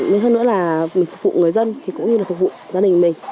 nên hơn nữa là mình phục vụ người dân cũng như là phục vụ gia đình mình